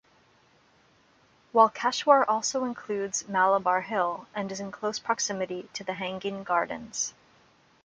Walkeshwar also includes Malabar Hill, and is in close proximity to the Hanging Gardens.